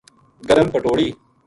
گرم پٹوڑی